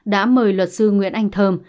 đã mời luật sư nguyễn anh thơm